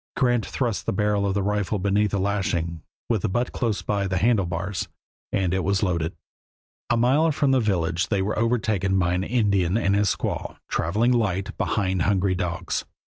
Grant thrust the barrel of the rifle beneath a lashing, with the butt close by the handle bars, and it was loaded. A mile from the village they were overtaken by an Indian and his squaw, traveling light behind hungry dogs.